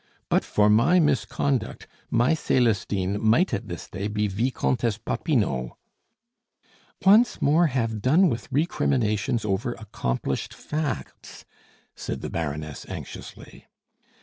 But for my misconduct, my Celestine might at this day be Vicomtesse Popinot!" "Once more have done with recriminations over accomplished facts," said the Baroness anxiously.